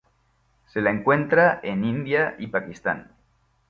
Se la encuentra en India y Pakistán.